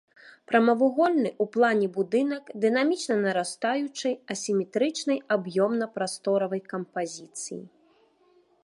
Прамавугольны ў плане будынак дынамічна нарастаючай асіметрычнай аб'ёмна-прасторавай кампазіцыі.